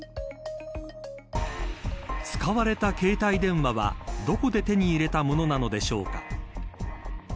使われた携帯電話はどこで手に入れたものなのでしょうか。